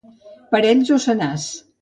Parells o senars.